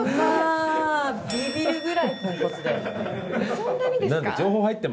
そんなにですか？